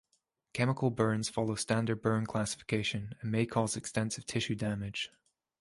Chemical burns follow standard burn classification and may cause extensive tissue damage.